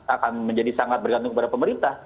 akan menjadi sangat bergantung kepada pemerintah